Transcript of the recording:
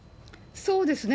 そうですね。